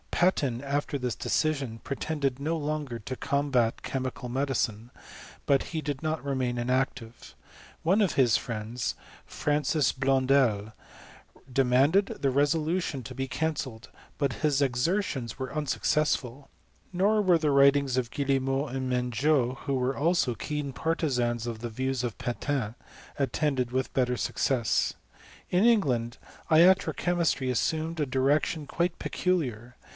Patin after this decision pretended m( longer to combat chemical medicine; but he did no^ remain inactive. One of his friends, Francis Blonddb demanded the resolution to be cancelled ; but his edk ertions were unsuccessful ; nor were the writings 40f Guillemeau and Menjot, who were also keen partisanii of the views of Patin, attended with better success*^ oa. In England iatro chemistry assumed a direct}iM0 quite peculiar.